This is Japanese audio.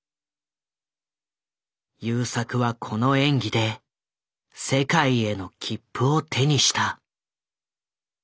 優作はこの演技で世界への切符を手にした。